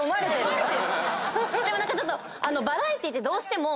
でも何かちょっとバラエティーってどうしても。